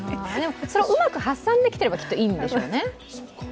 それはうまく発散できていればきっといいんでしょうね。